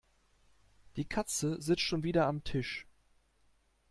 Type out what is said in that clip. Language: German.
Die Katze sitzt schon wieder am Tisch.